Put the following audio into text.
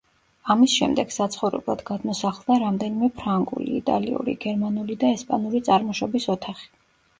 ამის შემდეგ, საცხოვრებლად გადმოსახლდა რამდენიმე ფრანგული, იტალიური, გერმანული და ესპანური წარმოშობის ოთახი.